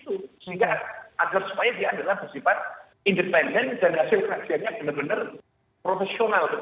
sehingga agar supaya dia adalah bersifat independen dan hasil kesaksiannya benar benar profesional